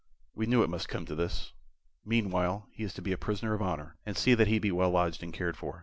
"We knew it must come to this. Meanwhile he is to be a prisoner of honor, and see that he be well lodged and cared for.